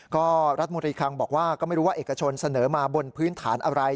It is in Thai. ก็รัฐมนตรีคังบอกว่าก็ไม่รู้ว่าเอกชนเสนอมาบนพื้นฐานอะไร